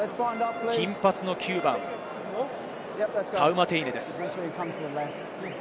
金髪の９番、タウマテイネです。